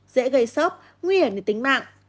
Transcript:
dễ gây sốc nguy hiểm như tính mạng